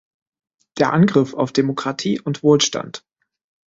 Der Angriff auf Demokratie und Wohlstand.